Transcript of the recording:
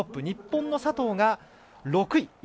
日本の佐藤が６位。